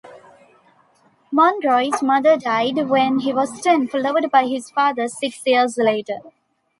Monroe's mother died when he was ten, followed by his father six years later.